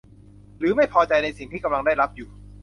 หรือไม่พอใจในสิ่งที่กำลังได้รับอยู่